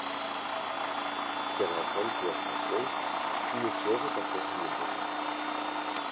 Пераацэнкі як такой, нічога такога не было.